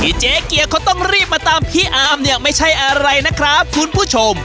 เจ๊เกียร์เขาต้องรีบมาตามพี่อาร์มเนี่ยไม่ใช่อะไรนะครับคุณผู้ชม